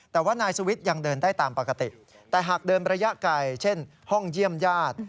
แต่ว่านายสุวิทย์ยังเดินได้ตามปกติแต่หากเดินระยะไกลเช่นห้องเยี่ยมญาติ